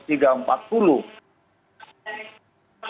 soal pembunuhan berencana